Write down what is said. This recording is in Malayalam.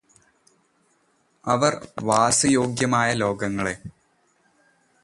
അവര് വാസയോഗ്യമായ ലോകങ്ങളെ